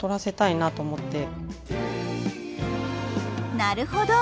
なるほど！